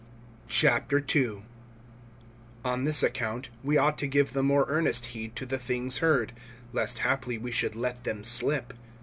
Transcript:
II. ON this account, we ought to give the more earnest heed to the things heard, lest haply we should let them slip[2:1].